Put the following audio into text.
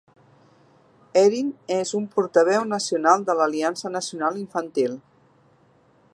Erin és un portaveu nacional de l'Aliança Nacional Infantil.